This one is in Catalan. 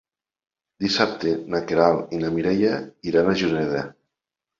Dissabte na Queralt i na Mireia iran a Juneda.